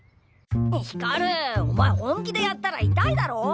光お前本気でやったら痛いだろ。